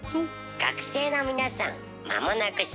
学生の皆さんまもなく新学期。